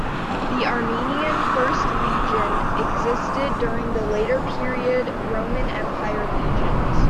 The Armenian First Legion existed during the later period Roman empire legions.